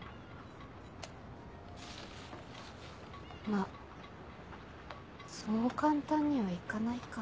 まっそう簡単には行かないか。